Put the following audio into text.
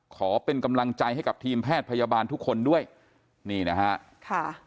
ขอเป็นกำลังใจให้กับทีมแพทย์พยาบาลทุกคนด้วยนี่นะฮะค่ะ